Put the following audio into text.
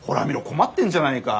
困ってんじゃないか。